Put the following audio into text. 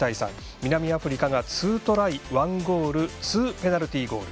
南アフリカが２トライ１ゴール２ペナルティーゴール。